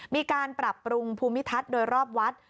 มีการปรับปรุงภูมิทัศน์โดยรอบวัด